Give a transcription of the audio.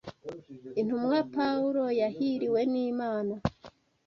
Intumwa Pawulo yahiriwe n’Imana